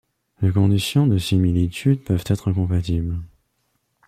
Les conditions de similitude peuvent être incompatibles.